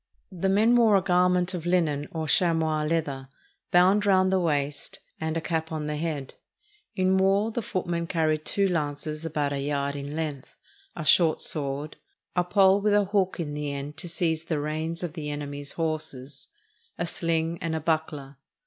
The men wore a garment of hnen, or chamois leather, bound round the waist, and a cap on the head. In war the footmen carried two lances about a yard in length, a short sword, a pole with a hook in the end to seize the reins of the enemy's horses, a sHng, and a buckler.